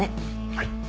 はい。